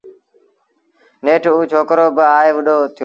نيٺ اُ ڇوڪرو با آئي وڏو ٿيو